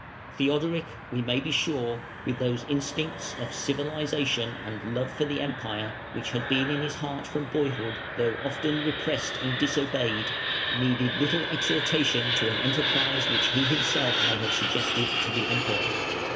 Theodoric, we may be sure, with those instincts of civilisation and love for the Empire which had been in his heart from boyhood, though often repressed and disobeyed, needed little exhortation to an enterprise which he may himself have suggested to the Emperor.